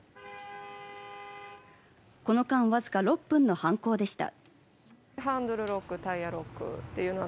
この間、わずか６分の犯行でした。